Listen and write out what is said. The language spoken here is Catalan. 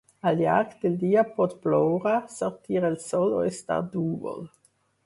Al llarg del dia pot ploure, sortir el sol o estar núvol.